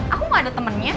aku gak ada temennya